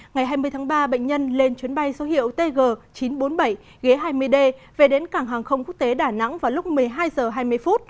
ngày hai mươi tháng ba bệnh nhân lên chuyến bay số hiệu tg chín trăm bốn mươi bảy ghế hai mươi d về đến cảng hàng không quốc tế đà nẵng vào lúc một mươi hai h hai mươi